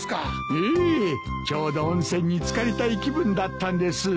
ええちょうど温泉に漬かりたい気分だったんです。